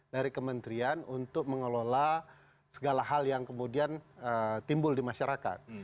dari kementerian untuk mengelola segala hal yang kemudian timbul di masyarakat